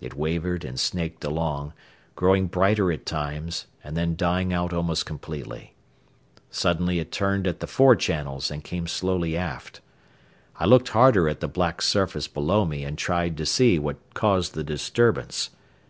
It wavered and snaked along, growing brighter at times and then dying out almost completely. Suddenly it turned at the fore channels and came slowly aft. I looked harder at the black surface below me and tried to see what caused the disturbance.